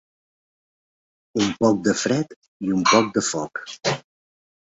Un poc de fred i un poc de foc.